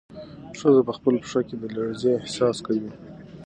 ښځه په خپله پښه کې د لړزې احساس کوي.